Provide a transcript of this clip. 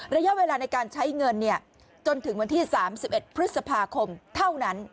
ระยะเวลาในการใช้เงินจนถึงวันที่๓๑พฤษภาคมเท่านั้น